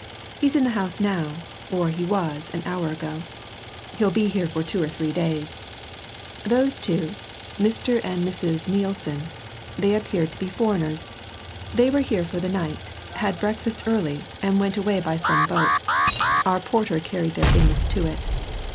He's in the house now, or he was, an hour ago he'll be here for two or three days. Those two, Mr. and Mrs. Nielsen they appeared to be foreigners. They were here for the night, had breakfast early, and went away by some boat our porter carried their things to it.